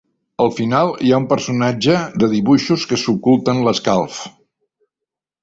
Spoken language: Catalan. Al final hi ha un personatge de dibuixos que s'oculta en l'escalf.